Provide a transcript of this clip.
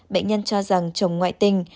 bệnh nhân cho rằng chồng ngoại tình